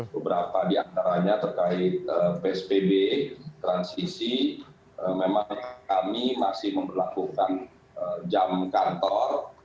beberapa di antaranya terkait psbb transisi memang kami masih memperlakukan jam kantor